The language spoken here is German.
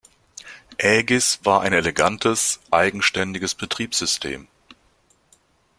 Aegis war ein elegantes, eigenständiges Betriebssystem.